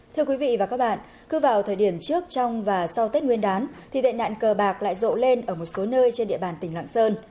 thưa quý vị và các bạn cứ vào thời điểm trước trong và sau tết nguyên đán thì tệ nạn cờ bạc lại rộ lên ở một số nơi trên địa bàn tỉnh lạng sơn